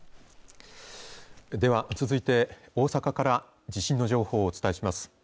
では、続いて大阪から地震の情報をお伝えします。